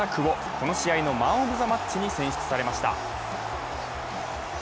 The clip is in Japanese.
この試合のマン・オブ・ザ・マッチに選出されました。